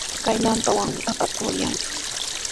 Kay lampawanmi papata uryanki.